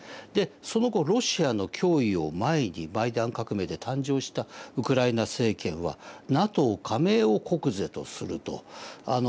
でその後ロシアの脅威を前にマイダン革命で誕生したウクライナ政権はＮＡＴＯ加盟を国是とすると。